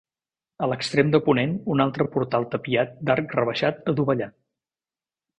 A l'extrem de ponent, un altre portal tapiat d'arc rebaixat adovellat.